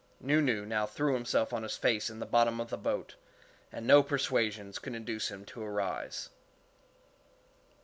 Nu Nu now threw himself on his face in the bottom of the boat, and no persuasions could induce him to arise.